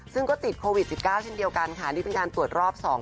ซึ่งก็ติดโควิด๑๙เช่นเดียวกันค่ะนี่เป็นการตรวจรอบสอง